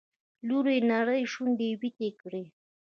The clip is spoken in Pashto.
لور يې نرۍ شونډې ويتې کړې.